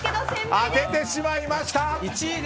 当ててしまいました！